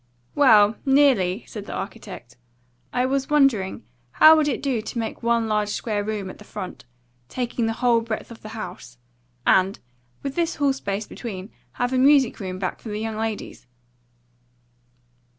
"Well, nearly," said the architect. "I was wondering how would it do to make one large square room at the front, taking the whole breadth of the house, and, with this hall space between, have a music room back for the young ladies?"